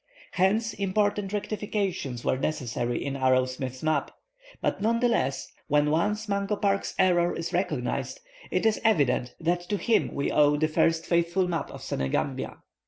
Hence important rectifications were necessary in Arrowsmith's map; but none the less, when once Mungo Park's error is recognized, it is evident that to him we owe the first faithful map of Senegambia.